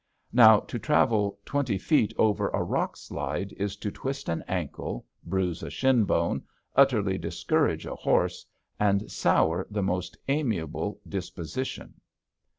Now to travel twenty feet over a rock slide is to twist an ankle, bruise a shin bone, utterly discourage a horse, and sour the most amiable disposition.